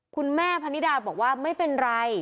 คุณแม่พนิดาบอกว่าไม่เป็นไร